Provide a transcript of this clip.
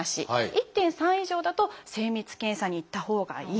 １．３以上だと精密検査に行ったほうがいい。